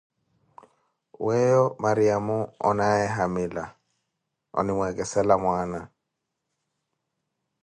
Weyo Maryamo, onaaye hamila, onimweekesela mwana.